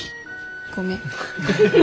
ごめん。